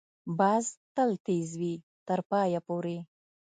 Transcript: باز تل تېز وي، تر پایه پورې